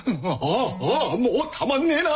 ああもうたまんねえな！